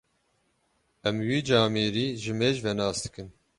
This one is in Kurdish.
Em wî camêrî ji mêj ve nasdikin.